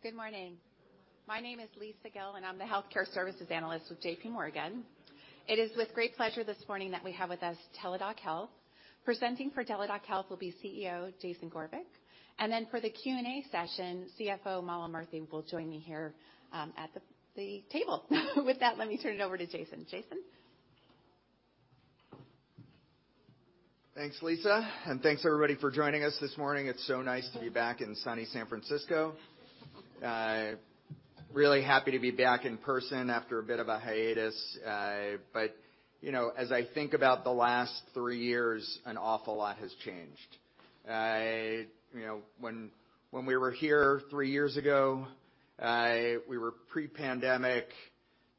Good morning. My name is Lisa Gill, and I'm the healthcare services analyst with JPMorgan. It is with great pleasure this morning that we have with us Teladoc Health. Presenting for Teladoc Health will be CEO Jason Gorevic, and then for the Q&A session, CFO Mala Murthy will join me here at the table. With that, let me turn it over to Jason. Jason? Thanks, Lisa, thanks everybody for joining us this morning. It's so nice to be back in sunny San Francisco. Really happy to be back in person after a bit of a hiatus. You know, as I think about the last three years, an awful lot has changed. You know, when we were here three years ago, we were pre-pandemic.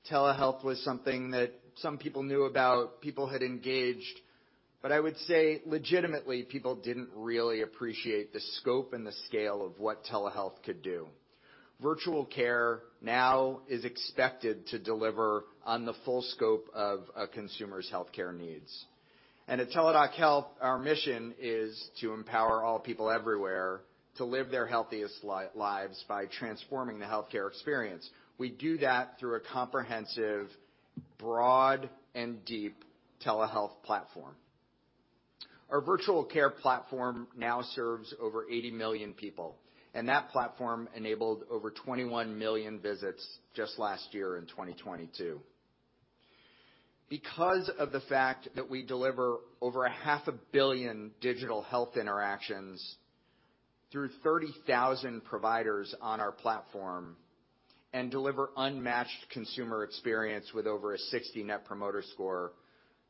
Telehealth was something that some people knew about, people had engaged, but I would say, legitimately, people didn't really appreciate the scope and the scale of what telehealth could do. Virtual care now is expected to deliver on the full scope of a consumer's healthcare needs. At Teladoc Health, our mission is to empower all people everywhere to live their healthiest lives by transforming the healthcare experience. We do that through a comprehensive, broad, and deep telehealth platform. Our virtual care platform now serves over 80 million people, and that platform enabled over 21 million visits just last year in 2022. Because of the fact that we deliver over a half a billion digital health interactions through 30,000 providers on our platform and deliver unmatched consumer experience with over a 60 Net Promoter Score,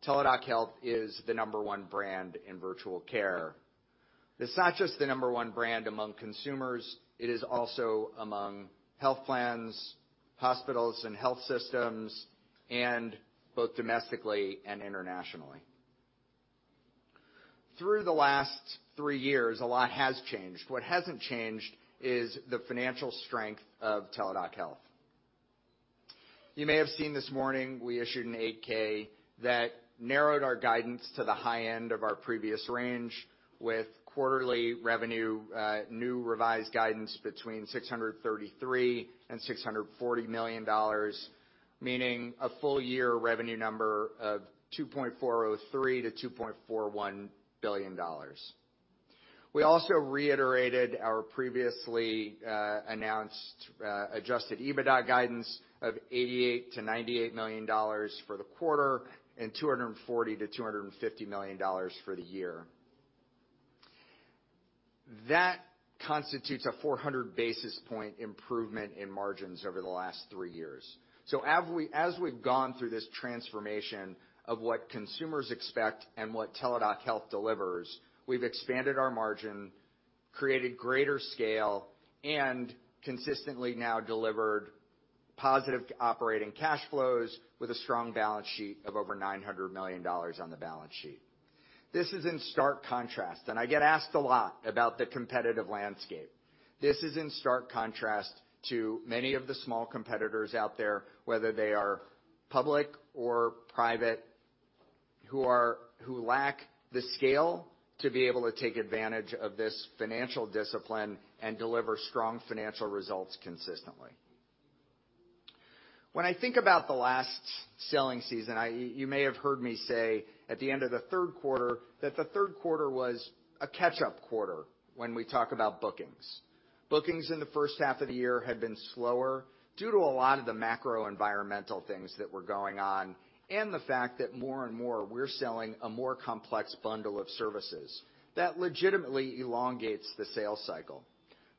Teladoc Health is the number one brand in virtual care. It's not just the number one brand among consumers, it is also among health plans, hospitals and health systems, and both domestically and internationally. Through the last three years, a lot has changed. What hasn't changed is the financial strength of Teladoc Health. You may have seen this morning we issued an 8-K that narrowed our guidance to the high end of our previous range with quarterly revenue, new revised guidance between $633 million and $640 million, meaning a full year revenue number of $2.403 billion-$2.41 billion. We also reiterated our previously announced adjusted EBITDA guidance of $88 million-$98 million for the quarter and $240 million-$250 million for the year. That constitutes a 400 basis point improvement in margins over the last three years. As we've gone through this transformation of what consumers expect and what Teladoc Health delivers, we've expanded our margin, created greater scale, and consistently now delivered positive operating cash flows with a strong balance sheet of over $900 million on the balance sheet. This is in stark contrast, and I get asked a lot about the competitive landscape. This is in stark contrast to many of the small competitors out there, whether they are public or private, who lack the scale to be able to take advantage of this financial discipline and deliver strong financial results consistently. When I think about the last selling season, I, you may have heard me say at the end of the third quarter that the third quarter was a catch-up quarter when we talk about bookings. Bookings in the first half of the year had been slower due to a lot of the macro-environmental things that were going on and the fact that more and more, we're selling a more complex bundle of services that legitimately elongates the sales cycle.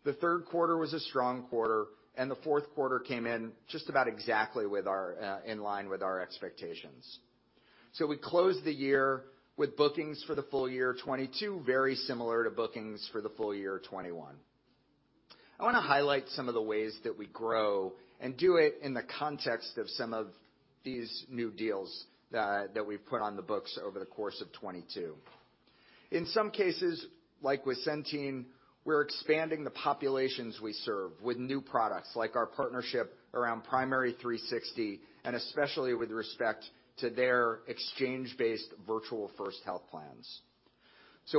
The third quarter was a strong quarter, and the fourth quarter came in just about exactly with our in line with our expectations. We closed the year with bookings for the full year 2022, very similar to bookings for the full year 2021. I wanna highlight some of the ways that we grow and do it in the context of some of these new deals that we've put on the books over the course of 2022. In some cases, like with Centene, we're expanding the populations we serve with new products like our partnership around Primary360, and especially with respect to their exchange-based virtual first health plans.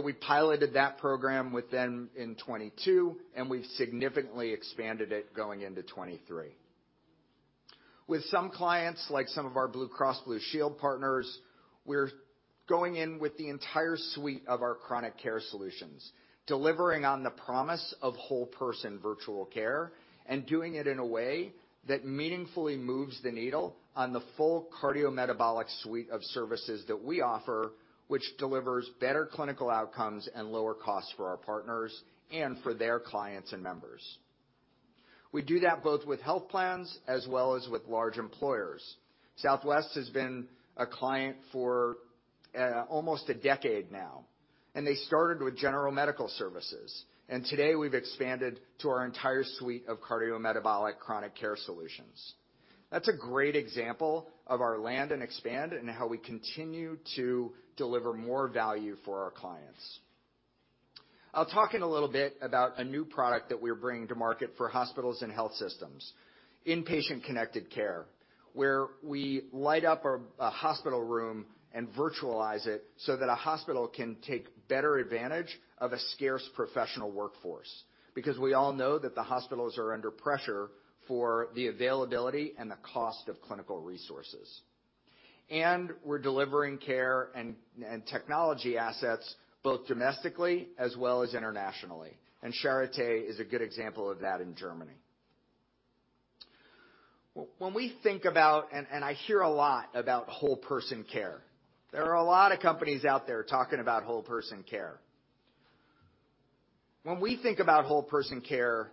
We piloted that program with them in 2022, and we've significantly expanded it going into 2023. With some clients, like some of our Blue Cross Blue Shield partners, we're going in with the entire suite of our chronic care solutions, delivering on the promise of whole person virtual care and doing it in a way that meaningfully moves the needle on the full cardiometabolic suite of services that we offer, which delivers better clinical outcomes and lower costs for our partners and for their clients and members. We do that both with health plans as well as with large employers. Southwest has been a client for almost a decade now, and they started with general medical services. Today, we've expanded to our entire suite of cardiometabolic chronic care solutions. That's a great example of our land and expand and how we continue to deliver more value for our clients. I'll talk in a little bit about a new product that we're bringing to market for hospitals and health systems, inpatient connected care, where we light up a hospital room and virtualize it so that a hospital can take better advantage of a scarce professional workforce. We all know that the hospitals are under pressure for the availability and the cost of clinical resources. We're delivering care and technology assets both domestically as well as internationally. Charité is a good example of that in Germany. When we think about and I hear a lot about whole person care. There are a lot of companies out there talking about whole person care. When we think about whole person care,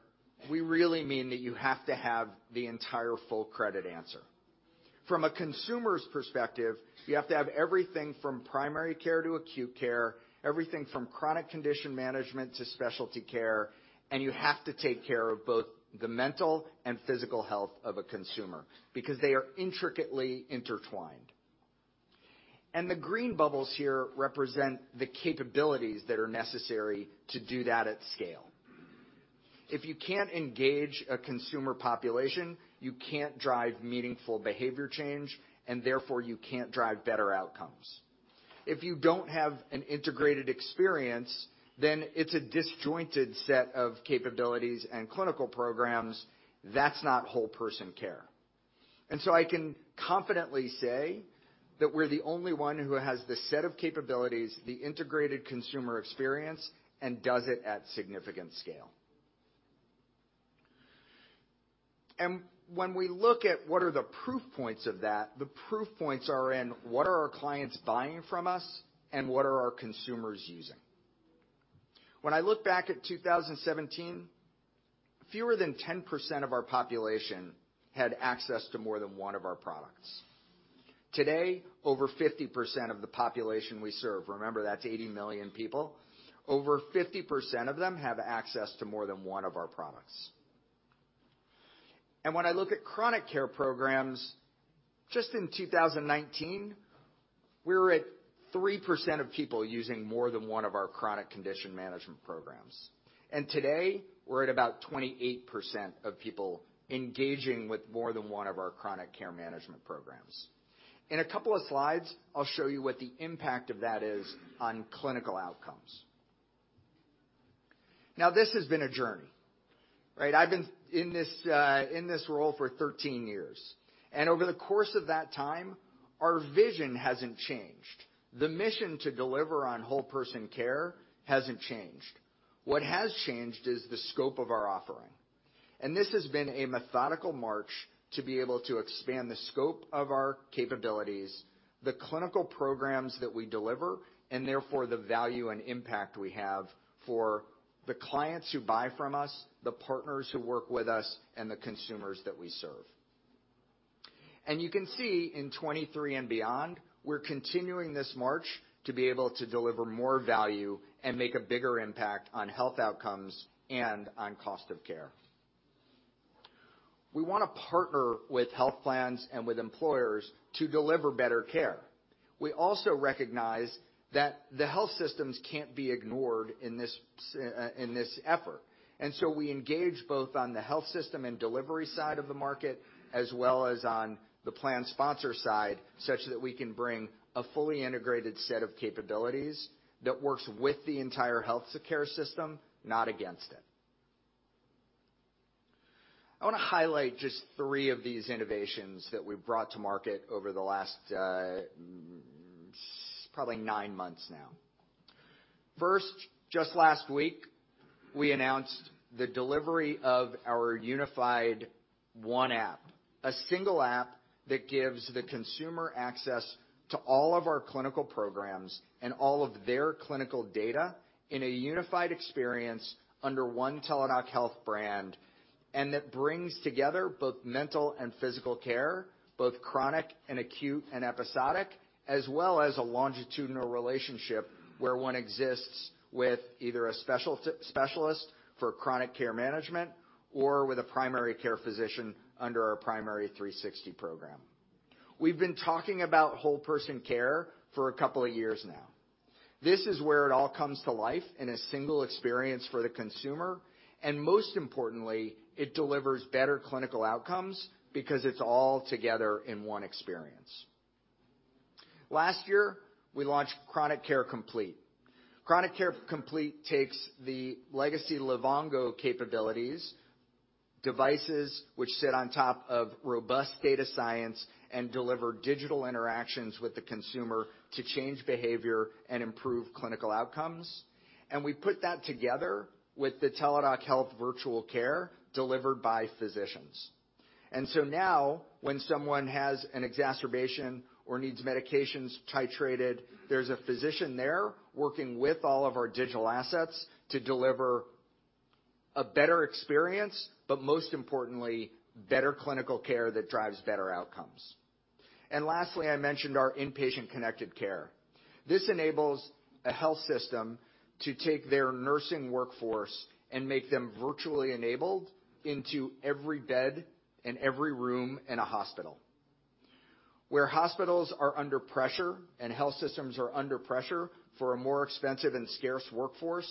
we really mean that you have to have the entire full credit answer. From a consumer's perspective, you have to have everything from primary care to acute care, everything from chronic condition management to specialty care, and you have to take care of both the mental and physical health of a consumer because they are intricately intertwined. The green bubbles here represent the capabilities that are necessary to do that at scale. If you can't engage a consumer population, you can't drive meaningful behavior change, and therefore you can't drive better outcomes. If you don't have an integrated experience, then it's a disjointed set of capabilities and clinical programs. That's not whole person care. I can confidently say that we're the only one who has the set of capabilities, the integrated consumer experience, and does it at significant scale. When we look at what are the proof points of that, the proof points are in what are our clients buying from us and what are our consumers using. When I look back at 2017, fewer than 10% of our population had access to more than one of our products. Today, over 50% of the population we serve, remember that's 80 million people, over 50% of them have access to more than one of our products. When I look at chronic care programs, just in 2019, we were at 3% of people using more than one of our chronic condition management programs. Today, we're at about 28% of people engaging with more than one of our chronic care management programs. In a couple of slides, I'll show you what the impact of that is on clinical outcomes. Now, this has been a journey, right? I've been in this in this role for 13 years, and over the course of that time, our vision hasn't changed. The mission to deliver on whole person care hasn't changed. What has changed is the scope of our offering. This has been a methodical march to be able to expand the scope of our capabilities, the clinical programs that we deliver, and therefore the value and impact we have for the clients who buy from us, the partners who work with us, and the consumers that we serve. You can see in 2023 and beyond, we're continuing this march to be able to deliver more value and make a bigger impact on health outcomes and on cost of care. We wanna partner with health plans and with employers to deliver better care. We also recognize that the health systems can't be ignored in this effort. We engage both on the health system and delivery side of the market, as well as on the plan sponsor side, such that we can bring a fully integrated set of capabilities that works with the entire healthcare system, not against it. I wanna highlight just three of these innovations that we've brought to market over the last, probably nine months now. First, just last week, we announced the delivery of our unified OneApp, a single app that gives the consumer access to all of our clinical programs and all of their clinical data in a unified experience under one Teladoc Health brand. That brings together both mental and physical care, both chronic and acute and episodic, as well as a longitudinal relationship where one exists with either a specialist for chronic care management or with a primary care physician under our Primary360 program. We've been talking about whole person care for a couple of years now. This is where it all comes to life in a single experience for the consumer, and most importantly, it delivers better clinical outcomes because it's all together in one experience. Last year, we launched Chronic Care Complete. Chronic Care Complete takes the legacy Livongo capabilities, devices which sit on top of robust data science and deliver digital interactions with the consumer to change behavior and improve clinical outcomes, and we put that together with the Teladoc Health virtual care delivered by physicians. Now when someone has an exacerbation or needs medications titrated, there's a physician there working with all of our digital assets to deliver a better experience, but most importantly, better clinical care that drives better outcomes. Lastly, I mentioned our inpatient connected care. This enables a health system to take their nursing workforce and make them virtually enabled into every bed and every room in a hospital. Where hospitals are under pressure and health systems are under pressure for a more expensive and scarce workforce,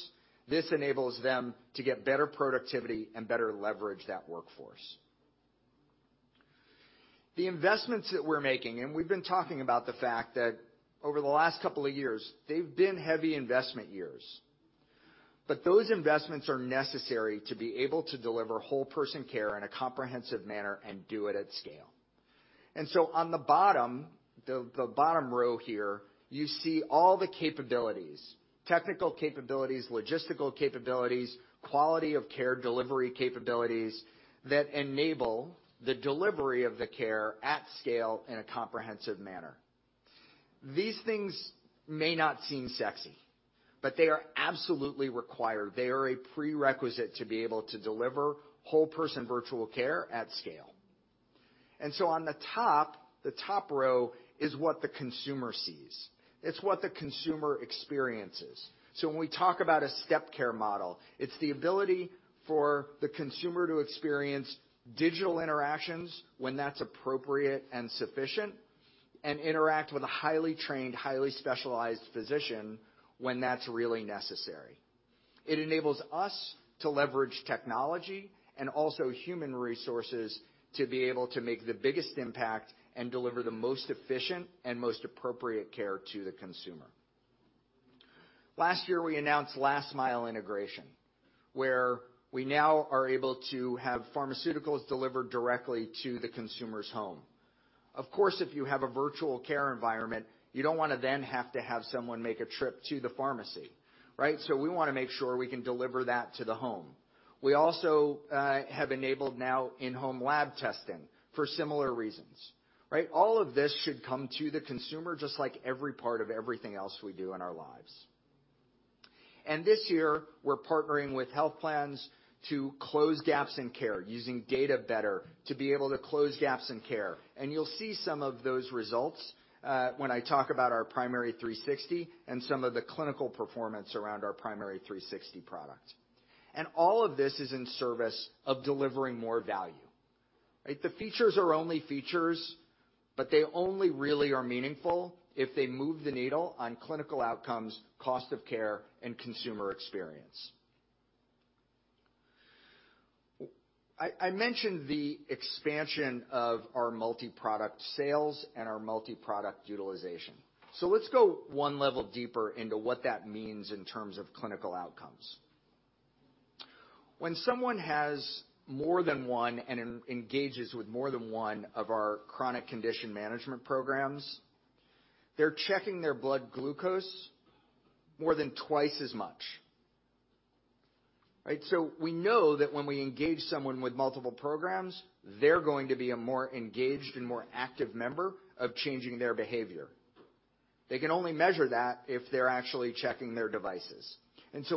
this enables them to get better productivity and better leverage that workforce. The investments that we're making, we've been talking about the fact that over the last couple of years, they've been heavy investment years. Those investments are necessary to be able to deliver whole person care in a comprehensive manner and do it at scale. On the bottom, the bottom row here, you see all the capabilities, technical capabilities, logistical capabilities, quality of care delivery capabilities that enable the delivery of the care at scale in a comprehensive manner. These things may not seem sexy, but they are absolutely required. They are a prerequisite to be able to deliver whole person virtual care at scale. On the top, the top row is what the consumer sees. It's what the consumer experiences. When we talk about a stepped care model, it's the ability for the consumer to experience digital interactions when that's appropriate and sufficient, and interact with a highly trained, highly specialized physician when that's really necessary. It enables us to leverage technology and also human resources to be able to make the biggest impact and deliver the most efficient and most appropriate care to the consumer. Last year, we announced last mile integration, where we now are able to have pharmaceuticals delivered directly to the consumer's home. Of course, if you have a virtual care environment, you don't wanna then have to have someone make a trip to the pharmacy, right? We wanna make sure we can deliver that to the home. We also have enabled now in-home lab testing for similar reasons, right? All of this should come to the consumer just like every part of everything else we do in our lives. This year, we're partnering with health plans to close gaps in care, using data better to be able to close gaps in care. You'll see some of those results when I talk about our Primary360 and some of the clinical performance around our Primary360 product. All of this is in service of delivering more value, right? The features are only features, but they only really are meaningful if they move the needle on clinical outcomes, cost of care, and consumer experience. I mentioned the expansion of our multi-product sales and our multi-product utilization. Let's go one level deeper into what that means in terms of clinical outcomes. When someone has more than one engages with more than one of our chronic condition management programs, they're checking their blood glucose more than twice as much, right? We know that when we engage someone with multiple programs, they're going to be a more engaged and more active member of changing their behavior. They can only measure that if they're actually checking their devices.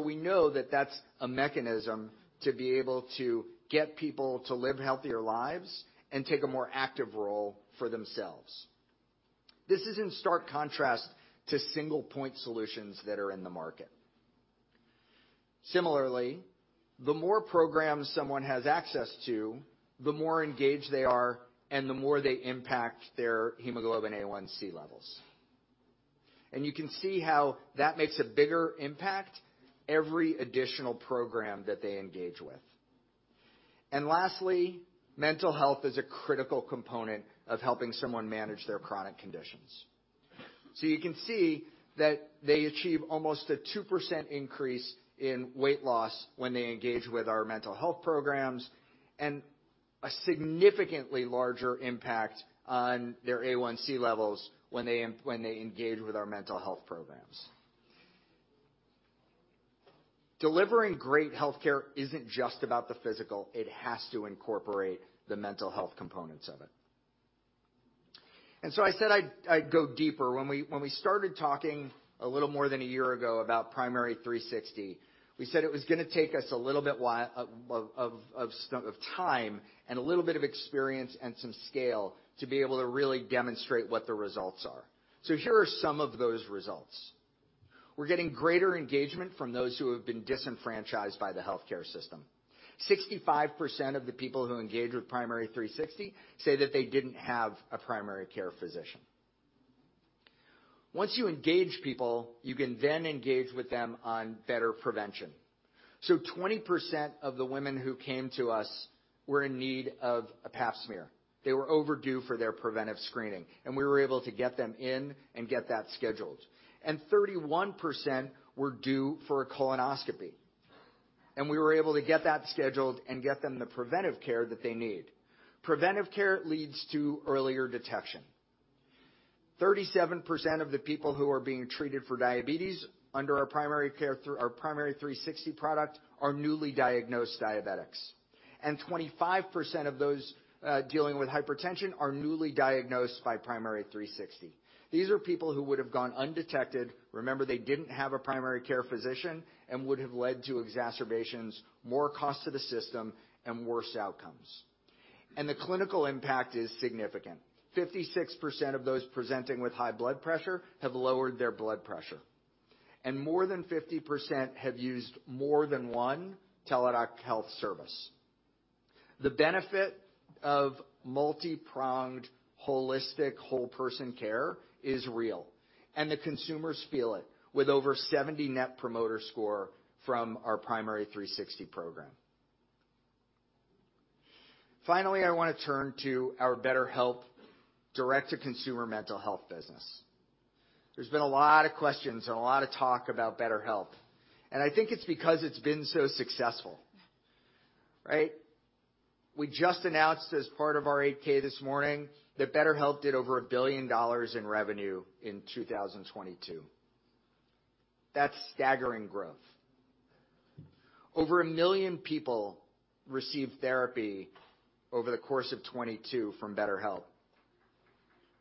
We know that that's a mechanism to be able to get people to live healthier lives and take a more active role for themselves. This is in stark contrast to single point solutions that are in the market. Similarly, the more programs someone has access to, the more engaged they are, and the more they impact their hemoglobin A1c levels. You can see how that makes a bigger impact every additional program that they engage with. Lastly, mental health is a critical component of helping someone manage their chronic conditions. You can see that they achieve almost a 2% increase in weight loss when they engage with our mental health programs, and a significantly larger impact on their A1c levels when they engage with our mental health programs. Delivering great healthcare isn't just about the physical, it has to incorporate the mental health components of it. I said I'd go deeper. When we started talking a little more than one year ago about Primary360, we said it was gonna take us a little bit of time and a little bit of experience and some scale to be able to really demonstrate what the results are. Here are some of those results. We're getting greater engagement from those who have been disenfranchised by the healthcare system. 65% of the people who engage with Primary360 say that they didn't have a primary care physician. Once you engage people, you can then engage with them on better prevention. 20% of the women who came to us were in need of a pap smear. They were overdue for their preventive screening, and we were able to get them in and get that scheduled. 31% were due for a colonoscopy, and we were able to get that scheduled and get them the preventive care that they need. Preventive care leads to earlier detection. 37% of the people who are being treated for diabetes under our Primary360 product, are newly diagnosed diabetics, and 25% of those dealing with hypertension are newly diagnosed by Primary360. These are people who would have gone undetected. Remember, they didn't have a primary care physician and would have led to exacerbations, more cost to the system, and worse outcomes. The clinical impact is significant. 56% of those presenting with high blood pressure have lowered their blood pressure, and more than 50% have used more than one Teladoc Health service. The benefit of multi-pronged holistic whole person care is real, and the consumers feel it with over 70 Net Promoter Score from our Primary360 program. Finally, I wanna turn to our BetterHelp direct to consumer mental health business. There's been a lot of questions and a lot of talk about BetterHelp, and I think it's because it's been so successful, right? We just announced as part of our 8-K this morning that BetterHelp did over $1 billion in revenue in 2022. That's staggering growth. Over 1 million people received therapy over the course of 2022 from BetterHelp,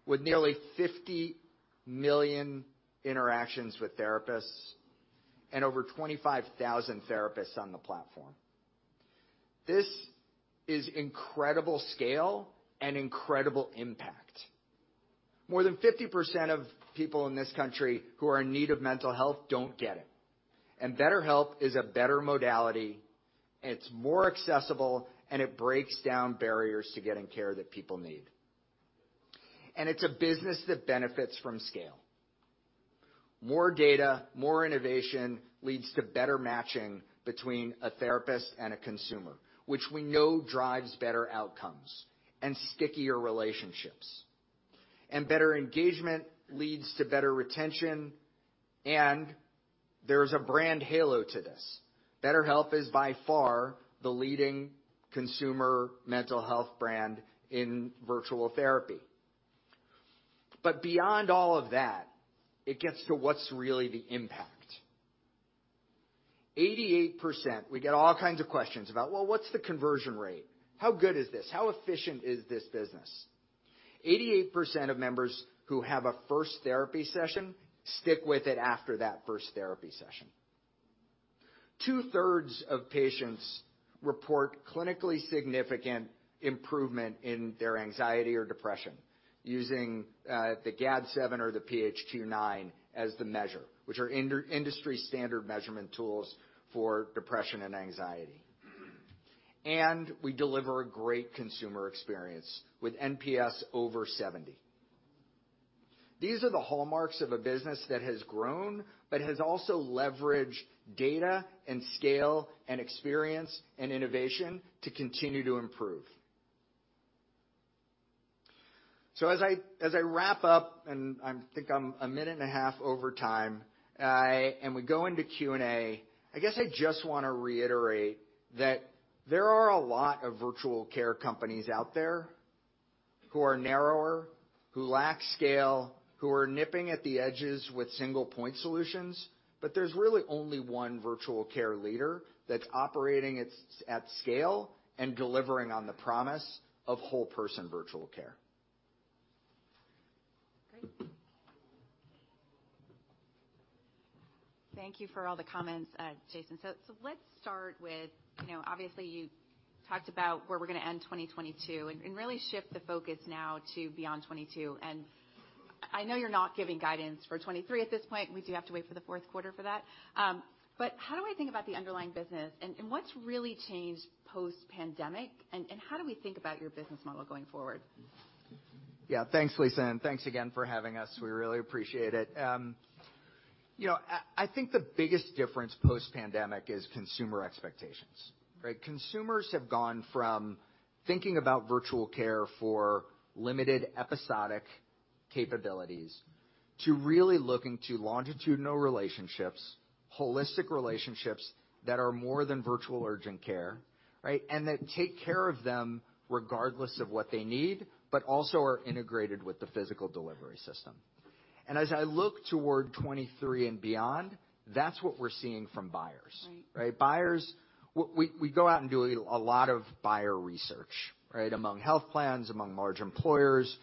with nearly 50 million interactions with therapists and over 25,000 therapists on the platform. This is incredible scale and incredible impact. More than 50% of people in this country who are in need of mental health don't get it. BetterHelp is a better modality, it's more accessible, and it breaks down barriers to getting care that people need. It's a business that benefits from scale. More data, more innovation leads to better matching between a therapist and a consumer, which we know drives better outcomes and stickier relationships. Better engagement leads to better retention, and there's a brand halo to this. BetterHelp is by far the leading consumer mental health brand in virtual therapy. Beyond all of that, it gets to what's really the impact. We get all kinds of questions about, "Well, what's the conversion rate? How good is this? How efficient is this business?" 88% of members who have a first therapy session stick with it after that first therapy session. 2/3 of patients report clinically significant improvement in their anxiety or depression using the GAD-7 or the PHQ-9 as the measure, which are industry standard measurement tools for depression and anxiety. We deliver a great consumer experience with NPS over 70. These are the hallmarks of a business that has grown, but has also leveraged data and scale and experience and innovation to continue to improve. As I wrap up, and I think I'm a minute and a half over time, and we go into Q&A, I guess I just wanna reiterate that there are a lot of virtual care companies out there who are narrower, who lack scale, who are nipping at the edges with single point solutions, but there's really only one virtual care leader that's operating its at scale and delivering on the promise of whole person virtual care. Great. Thank you for all the comments, Jason. Let's start with, you know, obviously, you talked about where we're gonna end 2022 and really shift the focus now to beyond 2022. I know you're not giving guidance for 2023 at this point, and we do have to wait for the fourth quarter for that. How do I think about the underlying business and what's really changed post-pandemic, and how do we think about your business model going forward? Yeah. Thanks, Lisa, thanks again for having us. We really appreciate it. You know, I think the biggest difference post-pandemic is consumer expectations, right? Consumers have gone from thinking about virtual care for limited episodic capabilities to really looking to longitudinal relationships, holistic relationships that are more than virtual urgent care, right, and that take care of them regardless of what they need, but also are integrated with the physical delivery system. As I look toward 2023 and beyond, that's what we're seeing from buyers. Right. Right? Buyers. We go out and do a lot of buyer research, right? Among health plans, among large employers.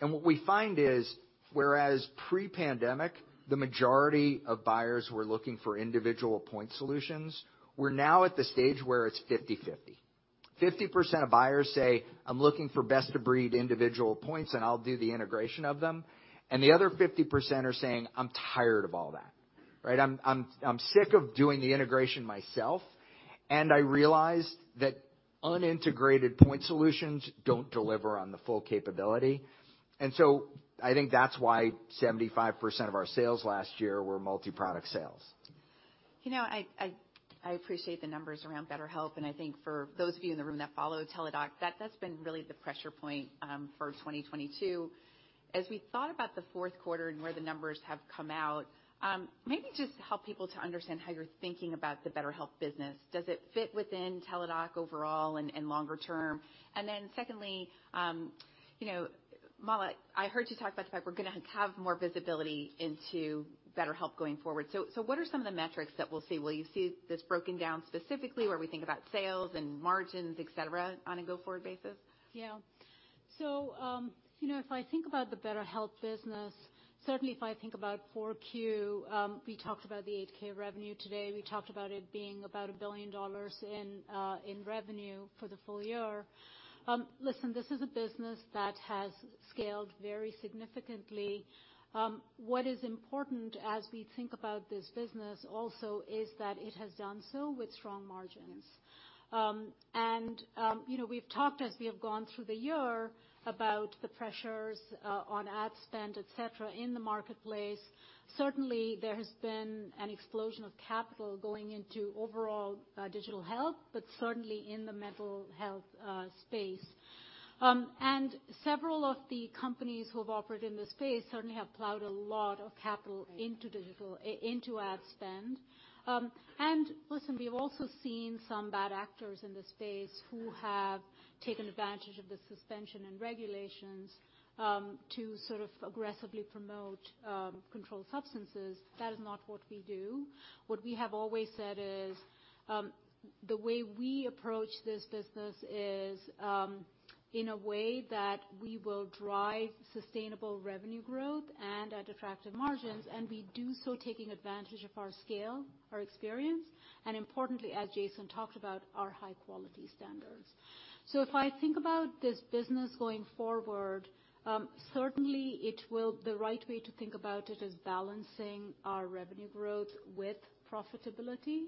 What we find is, whereas pre-pandemic, the majority of buyers were looking for individual point solutions, we're now at the stage where it's 50/50. 50% of buyers say, "I'm looking for best of breed individual points, and I'll do the integration of them." The other 50% are saying, "I'm tired of all that." Right? "I'm sick of doing the integration myself, and I realized that unintegrated point solutions don't deliver on the full capability." I think that's why 75% of our sales last year were multi-product sales. You know, I appreciate the numbers around BetterHelp, and I think for those of you in the room that follow Teladoc, that's been really the pressure point for 2022. As we thought about the fourth quarter and where the numbers have come out, maybe just help people to understand how you're thinking about the BetterHelp business. Does it fit within Teladoc overall and longer term? Secondly, you know, Mala, I heard you talk about the fact we're going to have more visibility into BetterHelp going forward. So what are some of the metrics that we'll see? Will you see this broken down specifically where we think about sales and margins, et cetera, on a go-forward basis? Yeah. You know, if I think about the BetterHelp business, certainly if I think about 4Q, we talked about the 8-K revenue today. We talked about it being about $1 billion in revenue for the full year. Listen, this is a business that has scaled very significantly. What is important as we think about this business also is that it has done so with strong margins. And, you know, we've talked as we have gone through the year about the pressures on ad spend, et cetera, in the marketplace. Certainly, there has been an explosion of capital going into overall digital health, but certainly in the mental health space. Several of the companies who have operated in this space certainly have plowed a lot of capital into ad spend. Listen, we've also seen some bad actors in this space who have taken advantage of the suspension and regulations, to sort of aggressively promote controlled substances. That is not what we do. What we have always said is, the way we approach this business is in a way that we will drive sustainable revenue growth and at attractive margins, and we do so taking advantage of our scale, our experience, and importantly, as Jason talked about, our high quality standards. If I think about this business going forward, certainly it will. The right way to think about it is balancing our revenue growth with profitability.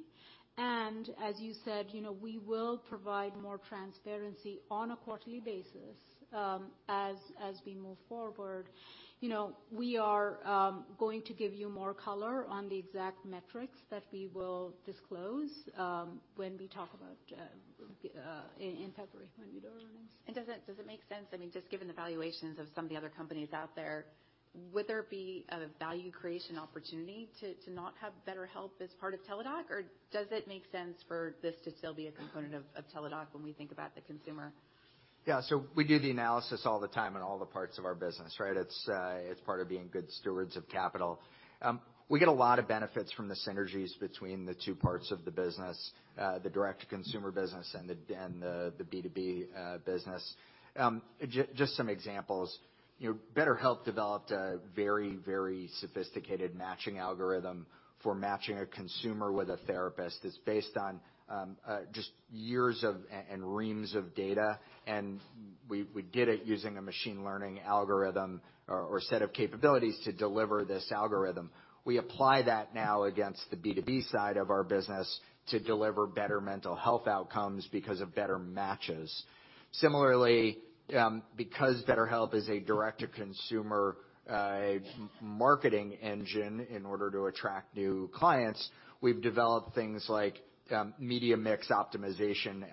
As you said, you know, we will provide more transparency on a quarterly basis, as we move forward. You know, we are going to give you more color on the exact metrics that we will disclose when we talk about in February when we do our earnings. Does it make sense, I mean, just given the valuations of some of the other companies out there, would there be a value creation opportunity to not have BetterHelp as part of Teladoc? Does it make sense for this to still be a component of Teladoc when we think about the consumer? Yeah. We do the analysis all the time in all the parts of our business, right? It's part of being good stewards of capital. We get a lot of benefits from the synergies between the two parts of the business, the direct-to-consumer business and the B2B business. Just some examples. You know, BetterHelp developed a very, very sophisticated matching algorithm for matching a consumer with a therapist that's based on just years and reams of data, and we did it using a machine learning algorithm or set of capabilities to deliver this algorithm. We apply that now against the B2B side of our business to deliver better mental health outcomes because of better matches. Similarly, because BetterHelp is a direct-to-consumer marketing engine in order to attract new clients, we've developed things like media mix optimization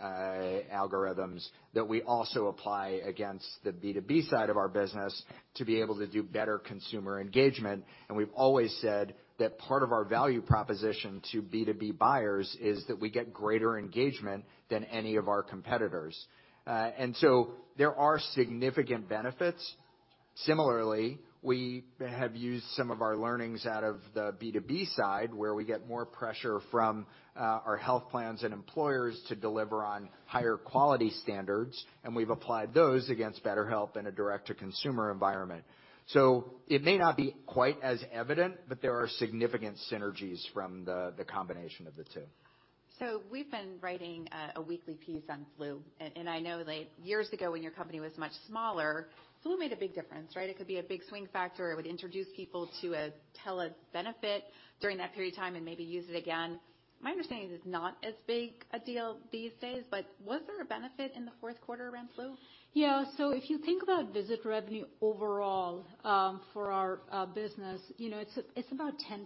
algorithms that we also apply against the B2B side of our business to be able to do better consumer engagement, and we've always said that part of our value proposition to B2B buyers is that we get greater engagement than any of our competitors. There are significant benefits. Similarly, we have used some of our learnings out of the B2B side, where we get more pressure from our health plans and employers to deliver on higher quality standards, and we've applied those against BetterHelp in a direct-to-consumer environment. It may not be quite as evident, but there are significant synergies from the combination of the two. We've been writing a weekly piece on flu. I know that years ago, when your company was much smaller, flu made a big difference, right? It could be a big swing factor. It would introduce people to a tele benefit during that period of time and maybe use it again. My understanding is it's not as big a deal these days, but was there a benefit in the fourth quarter around flu? If you think about visitor revenue overall, for our business, you know, it's about 10%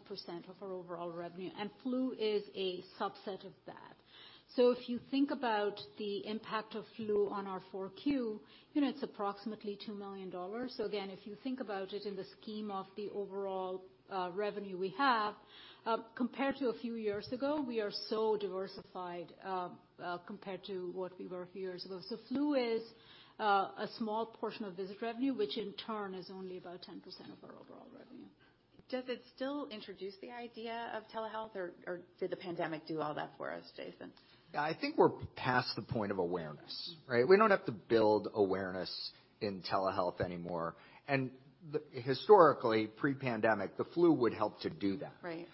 of our overall revenue, and flu is a subset of that. If you think about the impact of flu on our Q4, you know, it's approximately $2 million. Again, if you think about it in the scheme of the overall revenue we have, compared to a few years ago, we are so diversified, compared to what we were a few years ago. Flu is a small portion of visit revenue, which in turn is only about 10% of our overall revenue. Does it still introduce the idea of telehealth or did the pandemic do all that for us, Jason? I think we're past the point of awareness, right? We don't have to build awareness in telehealth anymore. Historically, pre-pandemic, the flu would help to do that. Right.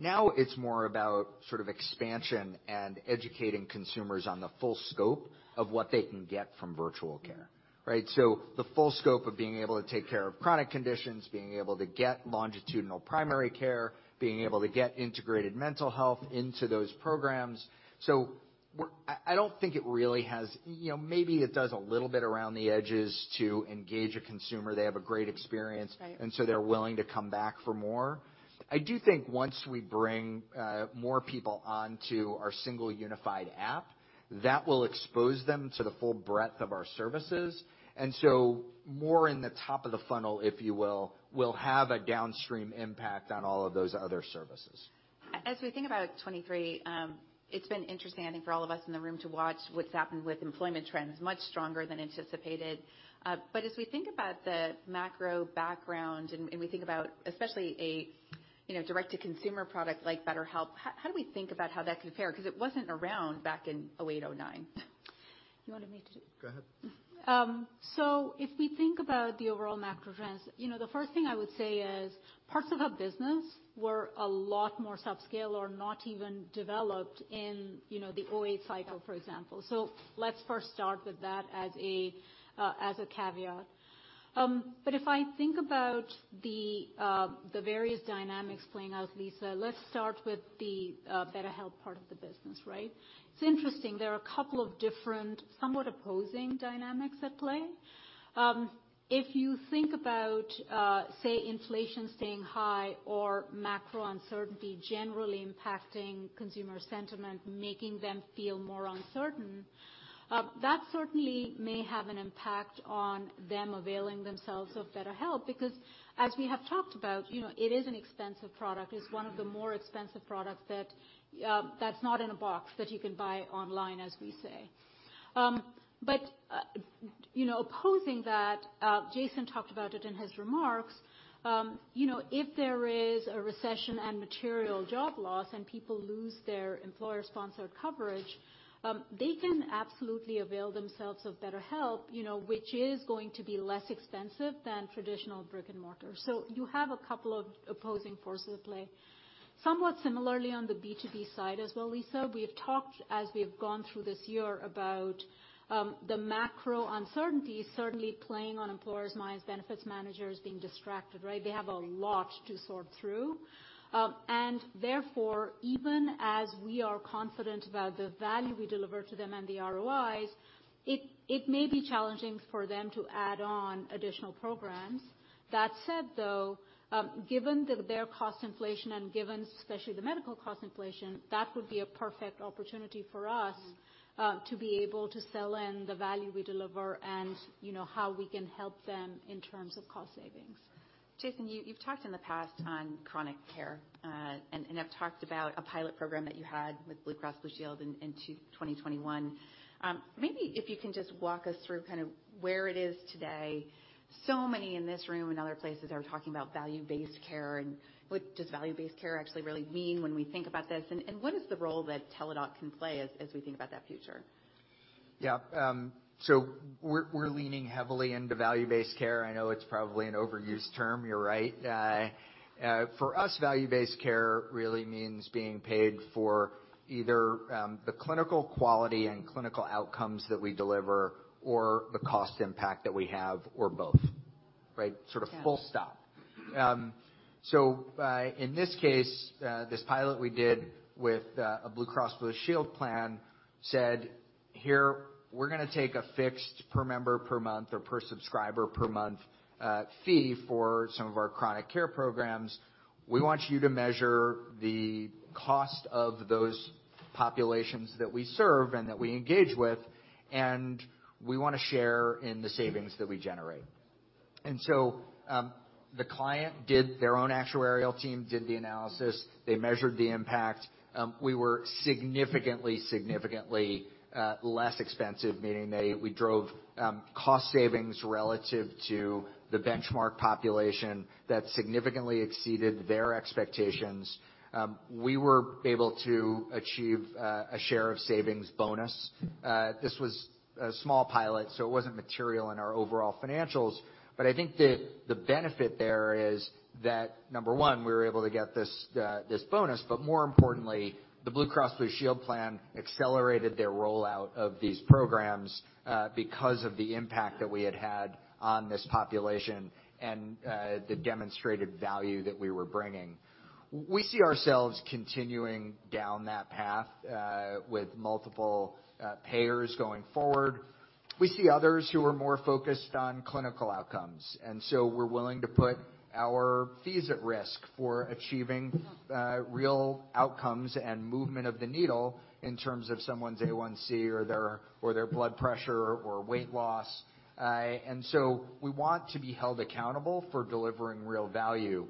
Now it's more about sort of expansion and educating consumers on the full scope of what they can get from virtual care, right? The full scope of being able to take care of chronic conditions, being able to get longitudinal primary care, being able to get integrated mental health into those programs. I don't think it really has, you know, maybe it does a little bit around the edges to engage a consumer. They have a great experience. Right. They're willing to come back for more. I do think once we bring more people onto our single unified app, that will expose them to the full breadth of our services. More in the top of the funnel, if you will have a downstream impact on all of those other services. As we think about 2023, it's been interesting I think for all of us in the room to watch what's happened with employment trends, much stronger than anticipated. As we think about the macro background, and we think about, especially a, you know, direct-to-consumer product like BetterHelp, how do we think about how that can fare? Because it wasn't around back in 2008, 2009. You wanted me to. Go ahead. If we think about the overall macro trends, you know, the first thing I would say is parts of our business were a lot more sub-scale or not even developed in, you know, the OA cycle, for example. Let's first start with that as a caveat. If I think about the various dynamics playing out, Lisa, let's start with the BetterHelp part of the business, right? It's interesting. There are a couple of different, somewhat opposing dynamics at play. If you think about, say, inflation staying high or macro uncertainty generally impacting consumer sentiment, making them feel more uncertain, that certainly may have an impact on them availing themselves of BetterHelp, because as we have talked about, you know, it is an expensive product. It's one of the more expensive products that's not in a box that you can buy online, as we say. You know, opposing that, Jason talked about it in his remarks, you know, if there is a recession and material job loss and people lose their employer-sponsored coverage, they can absolutely avail themselves of BetterHelp, you know, which is going to be less expensive than traditional brick-and-mortar. You have a couple of opposing forces at play. Somewhat similarly on the B2B side as well, Lisa, we have talked as we have gone through this year about the macro uncertainty certainly playing on employers' minds, benefits managers being distracted, right? They have a lot to sort through. Therefore, even as we are confident about the value we deliver to them and the ROIs, it may be challenging for them to add on additional programs. That said, though, given their cost inflation and given especially the medical cost inflation, that would be a perfect opportunity for us to be able to sell in the value we deliver and, you know, how we can help them in terms of cost savings. Jason, you've talked in the past on chronic care and have talked about a pilot program that you had with Blue Cross Blue Shield in 2021. Maybe if you can just walk us through kind of where it is today. Many in this room and other places are talking about value-based care and what does value-based care actually really mean when we think about this, and what is the role that Teladoc can play as we think about that future? We're leaning heavily into value-based care. I know it's probably an overused term, you're right. For us, value-based care really means being paid for either, the clinical quality and clinical outcomes that we deliver or the cost impact that we have or both, right? Yeah. Sort of full stop. In this case, this pilot we did with a Blue Cross Blue Shield plan said, "Here, we're gonna take a fixed per member per month or per subscriber per month fee for some of our chronic care programs. We want you to measure the cost of those populations that we serve and that we engage with, we wanna share in the savings that we generate." The client did their own actuarial team, did the analysis. They measured the impact. We were significantly less expensive, meaning we drove cost savings relative to the benchmark population that significantly exceeded their expectations. We were able to achieve a share of savings bonus. This was a small pilot, so it wasn't material in our overall financials, but I think the benefit there is that, number one, we were able to get this bonus, but more importantly, the Blue Cross Blue Shield plan accelerated their rollout of these programs because of the impact that we had had on this population and the demonstrated value that we were bringing. We see ourselves continuing down that path with multiple payers going forward. We see others who are more focused on clinical outcomes, and so we're willing to put our fees at risk for achieving real outcomes and movement of the needle in terms of someone's A1c or their blood pressure or weight loss. We want to be held accountable for delivering real value.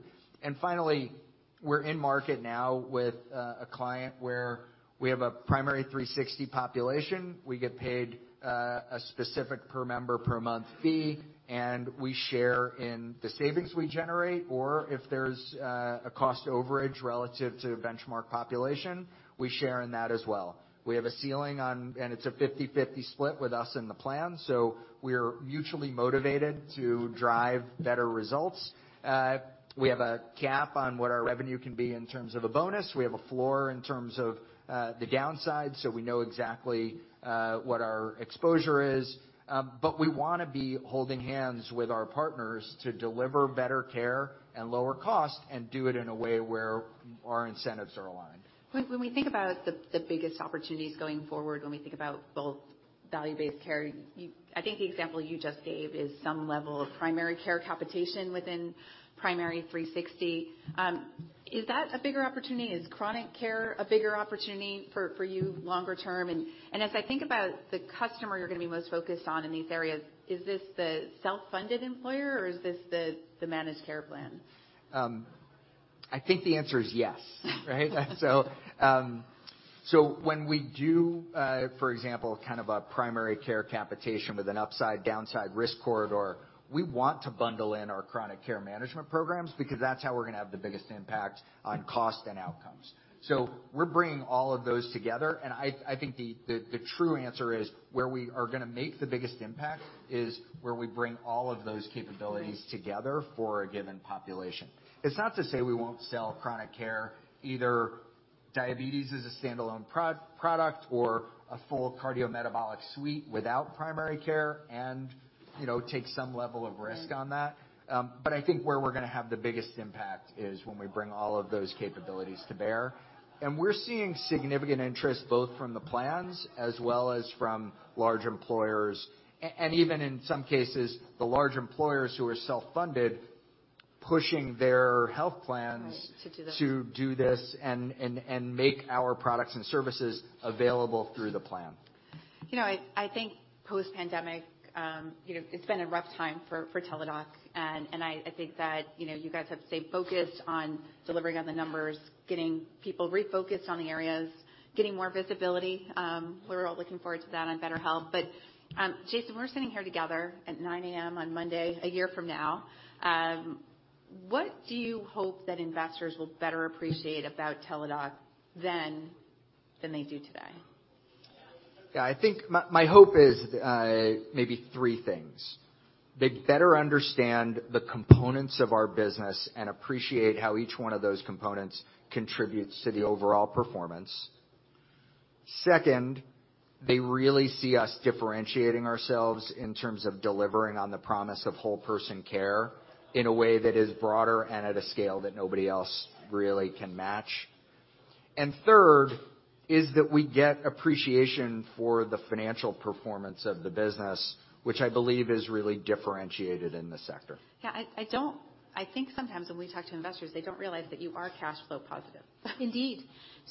We're in market now with a client where we have a Primary360 population. We get paid a specific per member per month fee, and we share in the savings we generate, or if there's a cost overage relative to benchmark population, we share in that as well. We have a ceiling on. It's a 50/50 split with us and the plan, so we're mutually motivated to drive better results. We have a cap on what our revenue can be in terms of a bonus. We have a floor in terms of the downside, so we know exactly what our exposure is. We wanna be holding hands with our partners to deliver better care and lower cost and do it in a way where our incentives are aligned. When we think about the biggest opportunities going forward, when we think about both value-based care, I think the example you just gave is some level of primary care capitation within Primary360. Is that a bigger opportunity? Is chronic care a bigger opportunity for you longer term? As I think about the customer you're gonna be most focused on in these areas, is this the self-funded employer, or is this the managed care plan? I think the answer is yes, right? When we do, for example, kind of a primary care capitation with an upside downside risk corridor, we want to bundle in our chronic care management programs because that's how we're gonna have the biggest impact on cost and outcomes. We're bringing all of those together, and I think the true answer is where we are gonna make the biggest impact is where we bring all of those capabilities together for a given population. It's not to say we won't sell chronic care, either diabetes as a standalone product or a full cardiometabolic suite without primary care and, you know, take some level of risk on that. I think where we're gonna have the biggest impact is when we bring all of those capabilities to bear. We're seeing significant interest both from the plans as well as from large employers, and even in some cases, the large employers who are self-funded, pushing their health plans- Right. To do the- to do this and make our products and services available through the plan. You know, I think post-pandemic, you know, it's been a rough time for Teladoc, and I think that, you know, you guys have stayed focused on delivering on the numbers, getting people refocused on the areas, getting more visibility. We're all looking forward to that on BetterHelp. Jason, we're sitting here together at 9:00 A.M. on Monday a year from now. What do you hope that investors will better appreciate about Teladoc than they do today? I think my hope is maybe three things. They better understand the components of our business and appreciate how each one of those components contributes to the overall performance. Second, they really see us differentiating ourselves in terms of delivering on the promise of whole person care in a way that is broader and at a scale that nobody else really can match. Third, is that we get appreciation for the financial performance of the business, which I believe is really differentiated in this sector. Yeah. I think sometimes when we talk to investors, they don't realize that you are cash flow positive. Indeed.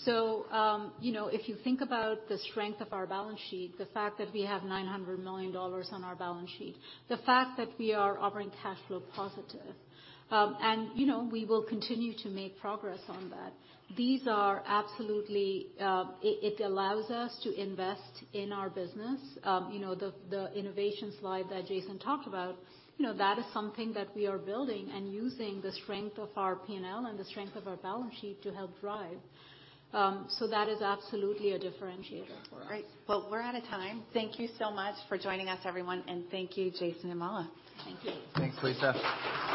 You know, if you think about the strength of our balance sheet, the fact that we have $900 million on our balance sheet, the fact that we are operating cash flow positive, and, you know, we will continue to make progress on that. These are absolutely, it allows us to invest in our business. You know, the innovation slide that Jason talked about, you know, that is something that we are building and using the strength of our P&L and the strength of our balance sheet to help drive. That is absolutely a differentiator for us. Great. Well, we're out of time. Thank you so much for joining us, everyone, and thank you, Jason and Mala. Thank you. Thanks, Lisa.